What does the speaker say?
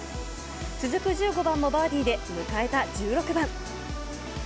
続く１５番もバーディーで、迎えた１６番。